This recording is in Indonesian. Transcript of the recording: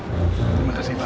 terima kasih pak